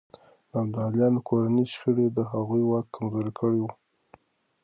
د ابدالیانو کورنۍ شخړې د هغوی واک کمزوری کړی و.